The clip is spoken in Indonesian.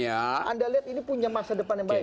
anda lihat ini punya masa depan yang baik